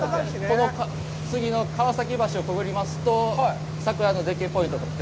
この次の川崎橋をくぐりますと、桜の絶景ポイントに。